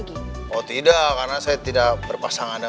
bujar ibunya stabilif dave quinco memang udah berhubung hebben